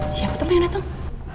siapa tuh yang dateng